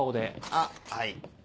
あっはい。